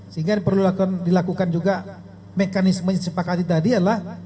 sehingga yang perlu dilakukan juga mekanisme yang disepakati tadi adalah